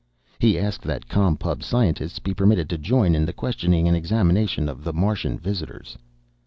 He asked that Com Pub scientists be permitted to join in the questioning and examination of the Martian visitors.